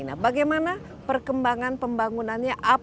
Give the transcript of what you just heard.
nah bagaimana perkembangan pembangunannya